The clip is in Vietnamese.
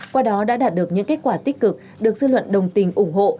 qua đó đã đạt được những kết quả tích cực được dư luận đồng tình ủng hộ